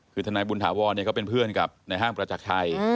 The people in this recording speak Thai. คือทนายบุญถาวรเขาเป็นเพื่อนกับในห้างประจักรชัย